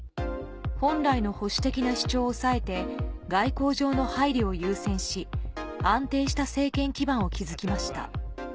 本来の保守的な主張を抑えて、外交上の配慮を優先し、安定した政権基盤を築きました。